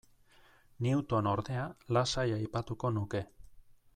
Newton, ordea, lasai aipatuko nuke.